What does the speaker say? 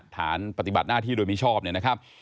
ฐานปฏิบัติหน้าที่โดยมิชอบเนี่ยนะครับ